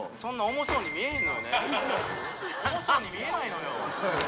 重そうに見えないのよ